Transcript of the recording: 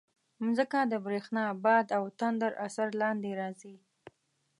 مځکه د برېښنا، باد او تندر اثر لاندې راځي.